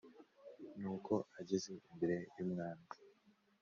Nuko ageze imbere y’umwami